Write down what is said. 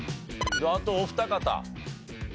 あとお二方。